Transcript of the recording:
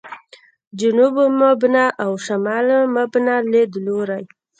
«جنوب مبنا» او «شمال مبنا» لیدلوري.